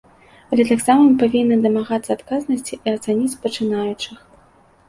Але таксама мы павінны дамагацца адказнасці і ацаніць пачынаючых.